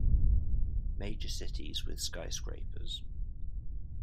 Major cities with skyscrapers.